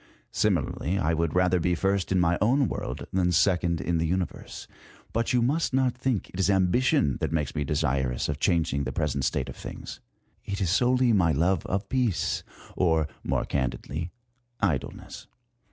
Similarly I would rather be first in this mj own world than second in the Universe. But you must not think it is ambition that makes me desirous of changing the present state of things ; it is solely my love of peace, or, more candidly, idleness.